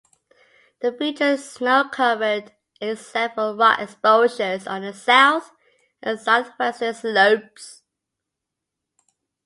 The feature is snow-covered except for rock exposures on the south and southwestern slopes.